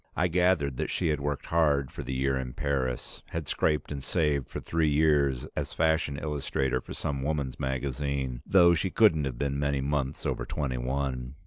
I gathered that she had worked hard for the year in Paris, had scraped and saved for three years as fashion illustrator for some woman's magazine, though she couldn't have been many months over twenty one.